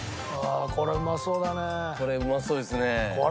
これうまそうですね。